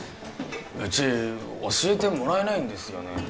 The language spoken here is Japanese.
うち教えてもらえないんですよね